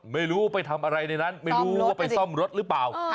ไม่รู้ไปทำอะไรในนั้นไม่รู้ว่าไปซ่อมรถหรือเปล่า